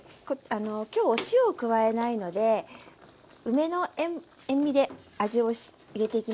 今日お塩を加えないので梅の塩味で味を入れていきますね。